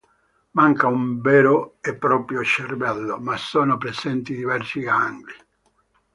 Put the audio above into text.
Manca un vero e proprio cervello, ma sono presenti diversi gangli.